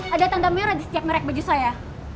ada tanda merah di setiap merek baju saya